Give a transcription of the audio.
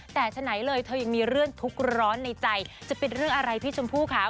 แต่ฉะไหนเลยเธอยังมีเรื่องทุกข์ร้อนในใจจะเป็นเรื่องอะไรพี่ชมพู่ค่ะ